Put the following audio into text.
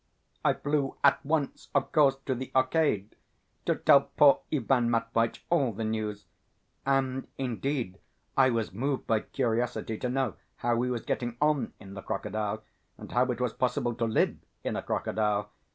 I flew at once, of course, to the Arcade to tell poor Ivan Matveitch all the news. And, indeed, I was moved by curiosity to know how he was getting on in the crocodile and how it was possible to live in a crocodile.